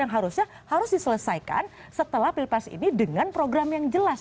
yang harusnya harus diselesaikan setelah pilpres ini dengan program yang jelas